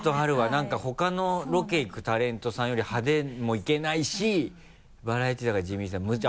なんかほかのロケ行くタレントさんより派手もいけないしバラエティーだから地味じゃ。